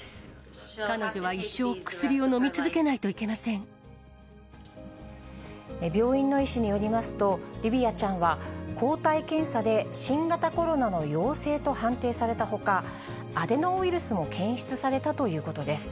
彼女は一生薬を飲み続けなけ病院の医師によりますと、リヴィアちゃんは抗体検査で新型コロナの陽性と判定されたほか、アデノウイルスも検出されたということです。